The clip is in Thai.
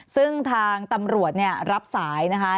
ซึ่งทางตำรวจรับสายนะคะ